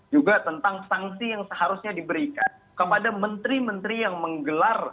juga tentang sanksi yang seharusnya diberikan kepada menteri menteri yang menggelar